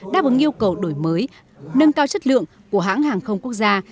đáp ứng yêu cầu đổi mới nâng cao chất lượng của hãng hàng không quốc gia